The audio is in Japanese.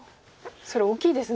それ大きいですね。